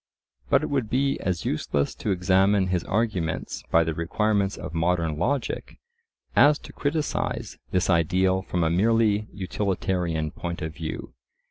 But it would be as useless to examine his arguments by the requirements of modern logic, as to criticise this ideal from a merely utilitarian point of view.